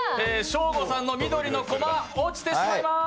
ショーゴさんの緑の駒、落ちてしまいます。